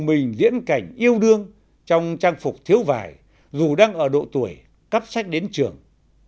mình diễn cảnh yêu đương trong trang phục thiếu vải dù đang ở độ tuổi cắp sách đến trường